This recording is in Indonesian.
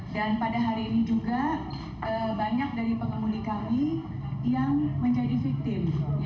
dan pada hari ini juga banyak dari pengemudi kami yang menjadi viktim